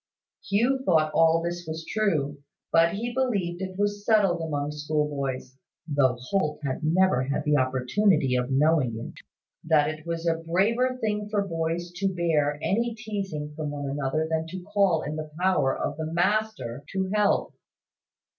Hugh thought all this was true: but he believed it was settled among schoolboys (though Holt had never had the opportunity of knowing it) that it was a braver thing for boys to bear any teasing from one another than to call in the power of the master to help.